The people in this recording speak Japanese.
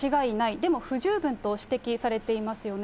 でも不十分と指摘されていますよね。